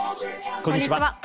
こんにちは。